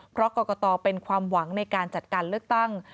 เพราะกรกตเป็นความหวังในการจัดการเลือกตั้ง